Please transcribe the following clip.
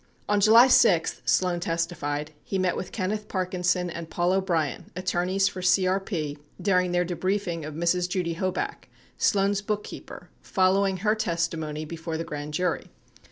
78 On July 6, Sloan testified, he met with Kenneth Parkinson and Paul O'Brien, attorneys for CRP, during their debriefing of Mrs. J udy Hoback, Sloan's bookkeeper, following her testimony before the grand jury.